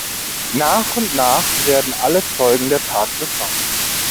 Nach und nach werden alle Zeugen der Tat befragt.